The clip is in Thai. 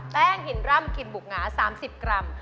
แป้งหินร่ำกินบุกง้า๓๐กรัม